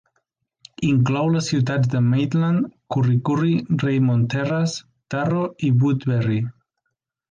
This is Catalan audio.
Inclou les ciutats de Maitland, Kurri Kurri, Raymond Terrace, Tarro i Woodberry.